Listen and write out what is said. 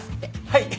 はい！